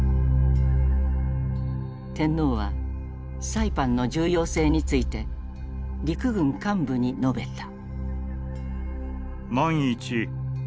天皇はサイパンの重要性について陸軍幹部に述べた。